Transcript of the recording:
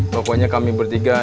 pokoknya kami bertiga